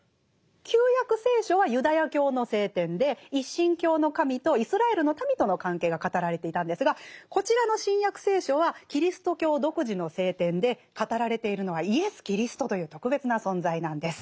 「旧約聖書」はユダヤ教の聖典で一神教の神とイスラエルの民との関係が語られていたんですがこちらの「新約聖書」はキリスト教独自の聖典で語られているのはイエス・キリストという特別な存在なんです。